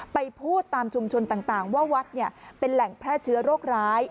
พูดตามชุมชนต่างว่าวัดเป็นแหล่งแพร่เชื้อโรคร้าย